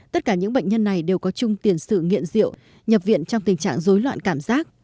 tất cả những bệnh nhân này đều có chung tiền sự nghiện rượu nhập viện trong tình trạng dối loạn cảm giác